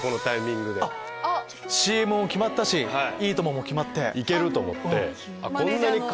ＣＭも決まったし『いいとも！』も決まって。